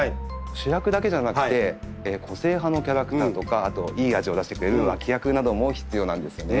主役だけじゃなくて個性派のキャラクターとかあといい味を出してくれる脇役なども必要なんですよね。